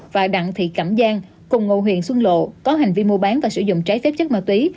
và đặng thị cẩm giang cùng ngụ huyện xuân lộ có hành vi mua bán và sử dụng trái phép chất ma túy